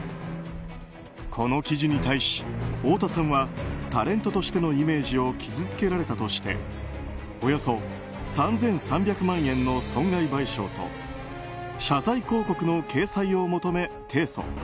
この記事に対し、太田さんはタレントとしてのイメージを傷つけられたとしておよそ３３００万円の損害賠償と謝罪広告の掲載を求め提訴。